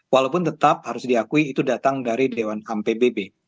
walaupun tetap harus diakui itu datang dari dewan ham pbb